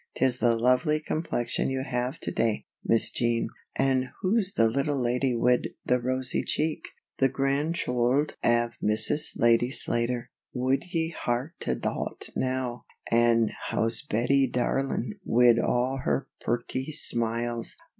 "'Tis the lovely complexion you have to day, Miss Jean. An' who's the little lady wid the rosy cheek? The gran'choild av Mrs. Lady Slater wud ye hark to thot now! An' how's Bettie darlin' wid all her purty smiles?